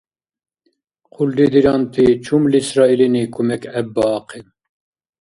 Хъулри диранти чумлисра илини кумек гӀеббаахъиб.